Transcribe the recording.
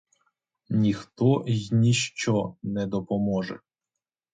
Ніхто й ніщо не поможе.